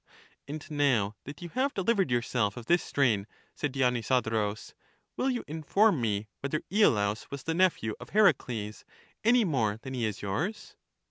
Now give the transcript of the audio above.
And now that you have delivered yourself of this strain, said Dionysodorus, will you inform me whether lolaus was the nephew of Heracles any more than he is yours